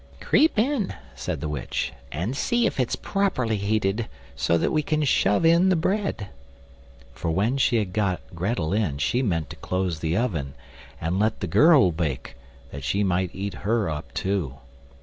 "Creep in," said the witch, "and see if it's properly heated, so that we can shove in the bread." For when she had got Grettel in she meant to close the oven and let the girl bake, that she might eat her up too.